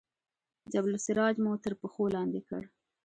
جبل السراج مو تر پښو لاندې کړ.